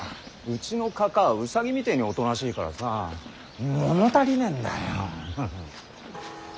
うちのかかあ兎みてえにおとなしいからさ物足りねえんだよ。